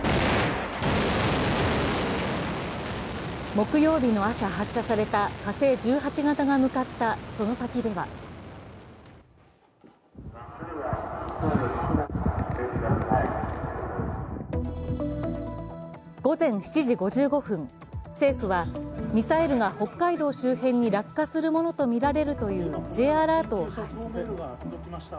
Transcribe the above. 木曜日の朝、発射された火星１８型が向かったその先では午前７時５５分、政府はミサイルが北海道周辺に落下するものとみられるというＪアラートを発出。